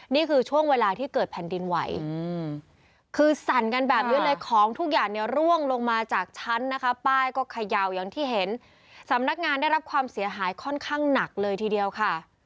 นี่คือช่วงเวลาที่เกิดแผ่นดินไหวคือสั่นกันแบบนี้เลยของทุกอย่างเนี่ยร่วงลงมาจากชั้นนะคะป้ายก็เขย่าอย่างที่เห็นสำนักงานได้รับความเสียหายค่อนข้างหนักเลยทีเดียวค่ะ